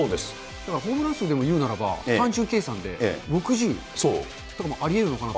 だからホームラン数でも、いうならば、単純計算で、６０とかもありえるのかなと。